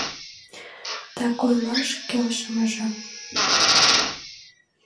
— Так ойлаш, келшымыже...